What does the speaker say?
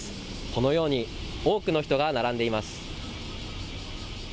このように、多くの人が並んでいます。